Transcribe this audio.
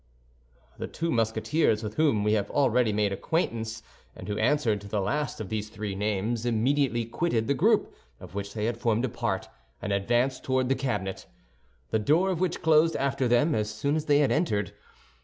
The two Musketeers with whom we have already made acquaintance, and who answered to the last of these three names, immediately quitted the group of which they had formed a part, and advanced toward the cabinet, the door of which closed after them as soon as they had entered.